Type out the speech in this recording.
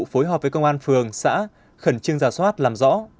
phối hợp với công an phường xã khẩn trương giả soát làm rõ